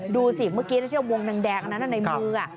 ดูสิเมื่อกี้เทียบวงแดงนั่นในมือ